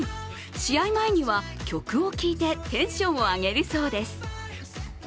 試合前には曲を聴いてテンションを上げるそうです。